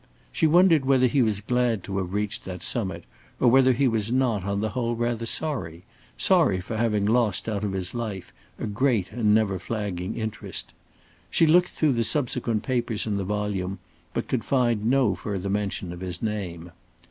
She wondered whether he was glad to have reached that summit, or whether he was not on the whole rather sorry sorry for having lost out of his life a great and never flagging interest. She looked through the subsequent papers in the volume, but could find no further mention of his name.